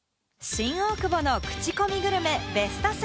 新大久保のクチコミグルメ、ベスト３。